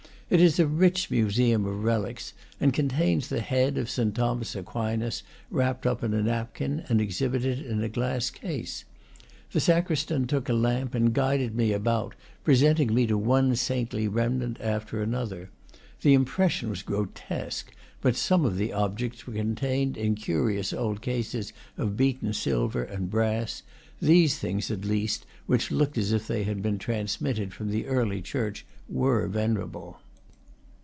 It is a rich museum of relics, and contains the head of Saint Thomas Aquinas, wrapped up in a napkin and exhibited in a glass case. The sacristan took a lamp and guided me about, presenting me to one saintly remnant after an other. The impression was grotesque, but sorne of the objects were contained in curious old cases of beaten silver and brass; these things, at least, which looked as if they had been transmitted from the early church, were venerable.